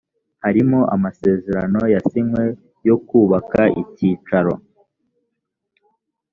harimo amasezerano yasinywe yo kubaka icyicaro